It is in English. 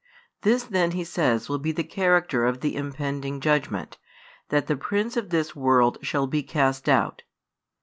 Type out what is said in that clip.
This then He says will be the character of the impending judgment, that the prince of this world shall be cast out.